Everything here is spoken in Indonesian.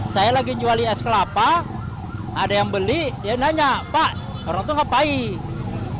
saya lagi juali es kelapa ada yang beli dia nanya pak orang itu ngapain